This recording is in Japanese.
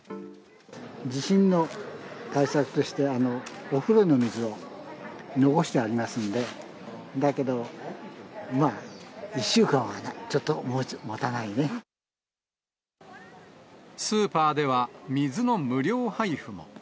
地震の対策として、お風呂の水を残してありましたんで、だけど、まあ、スーパーでは、水の無料配布も。